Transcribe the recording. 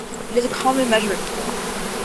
It is a common measuring tool.